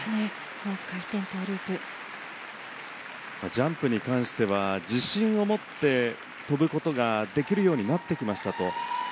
ジャンプに関しては自信を持って跳ぶことができるようになってきましたと。